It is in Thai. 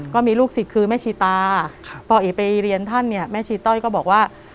ก็มีลูกศิษย์คือแม่ชีตาพอเอ๋ไปเรียนท่านเนี่ยแม่ชีต้อยก็บอกว่า